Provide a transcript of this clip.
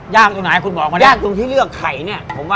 ยากตรงไหนคุณบอกมาเนี่ยยากตรงที่เลือกไข่เนี่ยผมว่า